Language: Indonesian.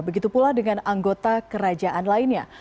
begitu pula dengan anggota kerajaan lainnya